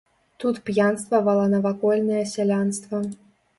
Тут п'янствавала навакольнае сялянства.